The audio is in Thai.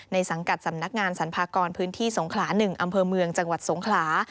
สังกัดสำนักงานสรรพากรพื้นที่สงขลา๑อำเภอเมืองจังหวัดสงขลา